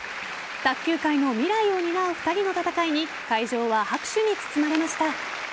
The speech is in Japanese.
卓球界の未来を担う２人の戦いに会場は拍手に包まれました。